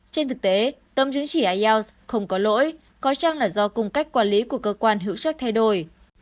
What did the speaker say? trên thực tế tâm chứng chỉ ielts không có lỗi có chăng là do cung cách quản lý của cơ quan hữu sách thay đổi